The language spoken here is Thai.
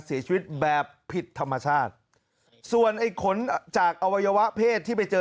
เสียชีวิตแบบผิดธรรมชาติส่วนไอ้ขนจากอวัยวะเพศที่ไปเจอ